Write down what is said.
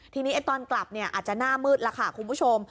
ทีนี้ตอนกลับอาจจะหน้ามืดแล้วค่ะคุณผู้ชม